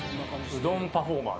うどんパフォーマー？